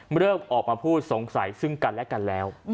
เริ่มออกมาพูดสงสัยซึ่งกันและกันแล้ว